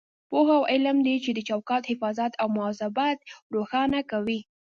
پوهه او علم دی چې د چوکاټ حفاظت او مواظبت روښانه کوي.